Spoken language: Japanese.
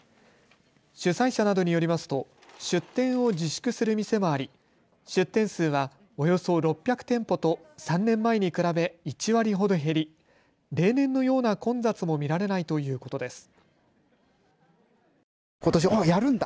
主催者などによりますと出店を自粛する店もあり出店数はおよそ６００店舗と３年前に比べ１割ほど減り例年のような混雑も見られないということです。